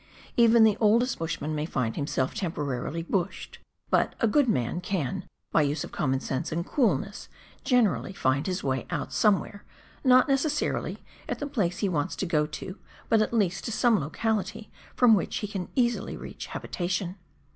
Even the oldest bushman may find himself temporarily " bushed," but a good man can, by use of common sense and coolness, generally find his way out somewhere, not, necessarily, at the place he wants to go to, but at least to some locality from which he can easily reach habitation.